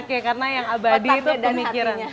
karena yang abadi itu pemikiran